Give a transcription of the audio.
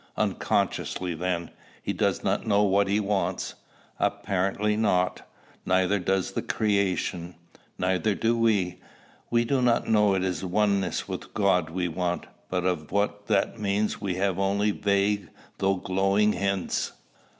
"Unconsciously, then. He does not know what he wants." "Apparently, not. Neither does the creation. Neither do we. We do know it is oneness with God we want; but of what that means we have only vague, though glowing hints."